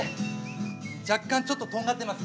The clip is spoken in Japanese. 若干ちょっととんがってます